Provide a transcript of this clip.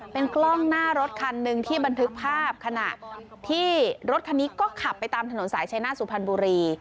เป็นกล้องหน้ารถคันหนึ่งที่บันทึกภาพขณะที่รถคันนี้ก็ขับไปตามถนนสายชายหน้าสุพรรณบุรี